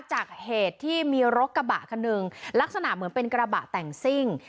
จากเหตุที่มีรถกระบะคันหนึ่งลักษณะเหมือนเป็นกระบะแต่งซิ่ง